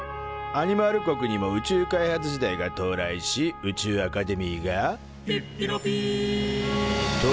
アニマル国にも宇宙開発時代が到来し宇宙アカデミーが「ぴっぴろぴ」と誕生。